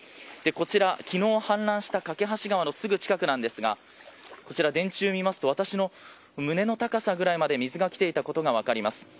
こちら、昨日氾濫した梯川のすぐ近くなんですが電柱を見ますと私の胸の高さくらいまで水が来ていたことが分かります。